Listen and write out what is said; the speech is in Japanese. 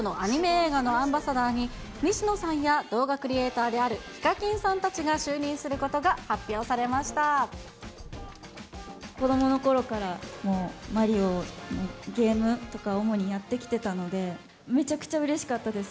映画のアンバサダーに、西野さんや、動画クリエイターであるＨＩＫＡＫＩＮさんたちが就任することが子どものころからもう、マリオのゲームとか、主にやってきてたので、めちゃくちゃうれしかったです。